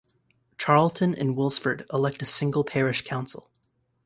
Charlton and Wilsford elect a single parish council.